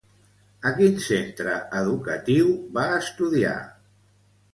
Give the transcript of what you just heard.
A quin centre educatiu va estudiar?